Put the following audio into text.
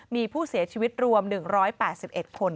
มีผู้เสียชีวิตรวม๑๘๑คน